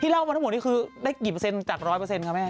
พี่เล่ามาทั้งหมดนี้คือได้กี่เปอร์เซ็นต์จากร้อยเปอร์เซ็นต์ค่ะแม่